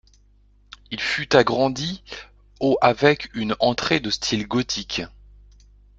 Il fut agrandi au avec une entrée de style gothique.